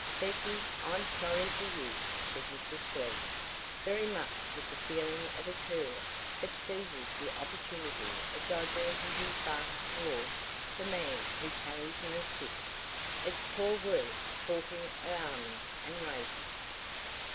"Bessy, I'm sorry for you," said Mrs Glegg, very much with the feeling of a cur that seizes the opportunity of diverting his bark toward the man who carries no stick. "It's poor work talking o' almonds and raisins."